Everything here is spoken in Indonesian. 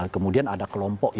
kemudian ada kelompok yang